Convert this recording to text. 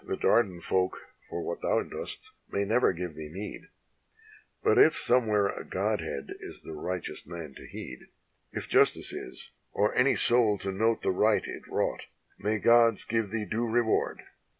The Dardan folk for what thou dost may never give thee meed: But if somewhere a godhead is the righteous man to heed. If justice is, or any soul to note the right it wrought, May the gods give thee due reward.